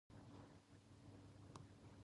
たった二人だけの